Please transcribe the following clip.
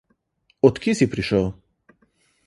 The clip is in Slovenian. Od kje si prišel?